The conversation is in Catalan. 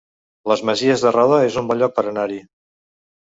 Les Masies de Roda es un bon lloc per anar-hi